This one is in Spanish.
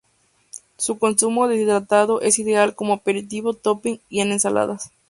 Su consumo deshidratado es ideal como aperitivo, topping y en ensaladas.